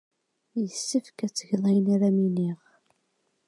Yessefk ad tgeḍ ayen ara am-iniɣ.